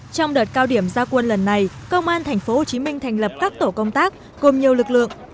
trong đợt cao điểm gia quân lần này công an tp hcm thành lập các tổ công tác gồm nhiều lực lượng